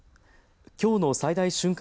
きょうの最大瞬間